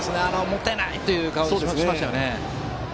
もったいないという顔をしましたね。